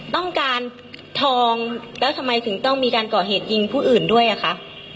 ต้องการทองแล้วทำไมถึงต้องมีการก่อเหตุยิงผู้อื่นด้วยอ่ะคะ